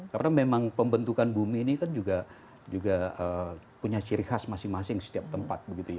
karena memang pembentukan bumi ini kan juga punya ciri khas masing masing setiap tempat